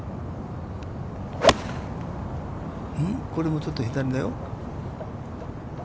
これもちょっと左だよ？